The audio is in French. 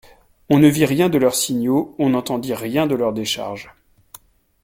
On ne vit rien de leurs signaux, on n’entendit rien de leurs décharges.